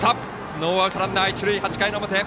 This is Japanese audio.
ノーアウト、ランナー、一塁８回の表。